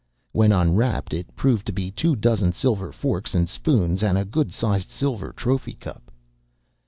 When unwrapped it proved to be two dozen silver forks and spoons and a good sized silver trophy cup.